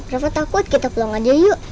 kenapa takut kita pulang aja yuk